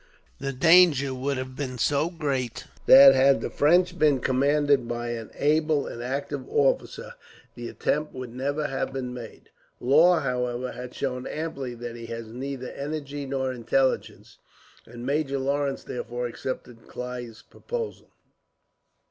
This danger would have been so great that, had the French been commanded by an able and active officer, the attempt would never have been made. Law, however, had shown amply that he had neither energy nor intelligence, and Major Lawrence therefore accepted Clive's proposal.